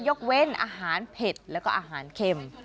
ยกเว้นอาหารเผ็ดแล้วก็อาหารเค็ม